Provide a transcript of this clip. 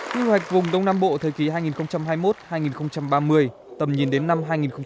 quy hoạch vùng đông nam bộ thời kỳ hai nghìn hai mươi một hai nghìn ba mươi tầm nhìn đến năm hai nghìn năm mươi